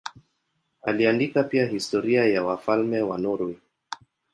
Aliandika pia historia ya wafalme wa Norwei.